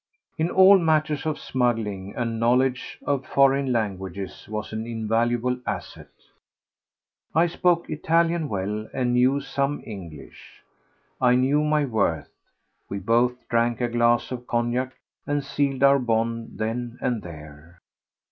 In all matters of smuggling a knowledge of foreign languages was an invaluable asset. I spoke Italian well and knew some English. I knew my worth. We both drank a glass of cognac and sealed our bond then and there.